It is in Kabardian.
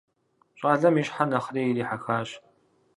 Щӏалэм и щхьэр нэхъри ирихьэхащ.